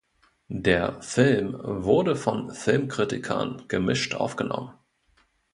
Der Film wurde von Filmkritikern gemischt aufgenommen.